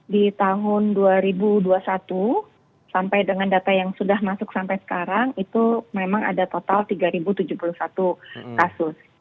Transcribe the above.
di tahun dua ribu dua puluh satu sampai dengan data yang sudah masuk sampai sekarang itu memang ada total tiga tujuh puluh satu kasus